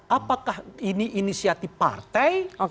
apakah ini inisiatif partai